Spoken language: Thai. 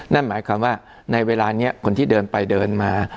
นั่นหมายความว่าในเวลานี้คนที่เดินไปเดินมา